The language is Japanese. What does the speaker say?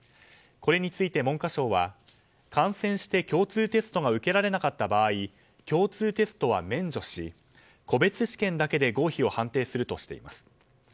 これについて、文科省は感染して共通テストが受けられなかった場合共通テストは免除し個別試験だけで合否を判定するとしています。